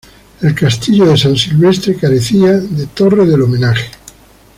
El castillo de San Silvestre carecía de torre del homenaje.